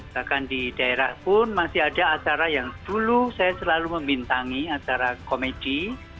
bahkan di daerah pun masih ada acara yang dulu saya selalu membintangi acara komedi